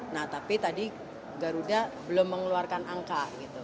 nah tapi tadi garuda belum mengeluarkan angka gitu